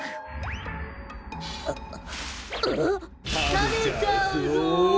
たべちゃうぞ！